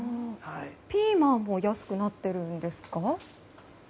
ピーマンも安くなっているんですか？